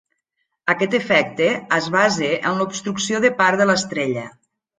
Aquest efecte es basa en l'obstrucció de part de l'estrella.